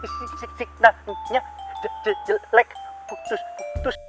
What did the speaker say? sik sik sik nah nyenyak je je jelek fuktus fuktus